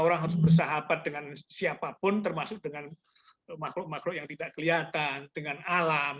orang harus bersahabat dengan siapapun termasuk dengan makhluk makhluk yang tidak kelihatan dengan alam